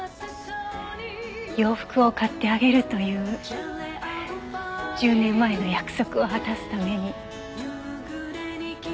洋服を買ってあげるという１０年前の約束を果たすために。